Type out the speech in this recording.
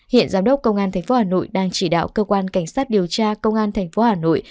hiện giám đốc công an tp hà nội đang chỉ đạo cơ quan cảnh sát điều tra công an tp hà nội